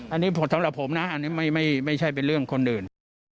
อันนี้สำหรับผมนะอันนี้ไม่ใช่เป็นเรื่องคนอื่น